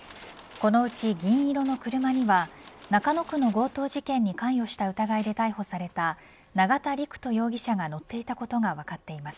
このうち銀色の車には中野区の強盗事件に関与した疑いで逮捕された永田陸人容疑者が乗っていたことが分かっています。